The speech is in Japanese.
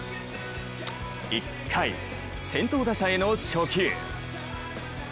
１回、先頭打者への初球。